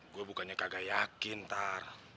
gue bukannya kagak yakin ntar